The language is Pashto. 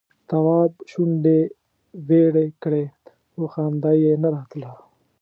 تواب شونډې ويړې کړې خو خندا یې نه راتله.